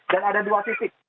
dan ada dua titik